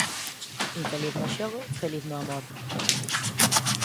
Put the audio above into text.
Infeliz no xogo, feliz no amor.